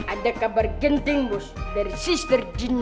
ada kabar genting bos dari sister ginny